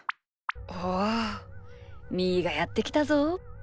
おみーがやってきたぞ。